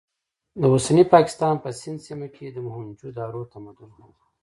د اوسني پاکستان په سند سیمه کې د موهنجو دارو تمدن و.